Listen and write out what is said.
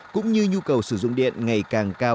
cũng như nhu cầu sử dụng điện ngày càng cao